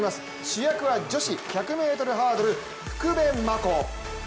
主役は女子１００ｍハードル福部真子。